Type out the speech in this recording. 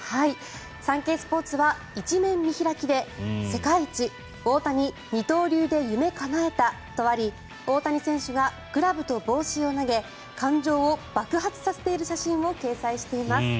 サンケイスポーツは１面見開きで世界一、大谷二刀流で夢かなえたとあり大谷選手がグラブと帽子を投げ感情を爆発させている写真を掲載しています。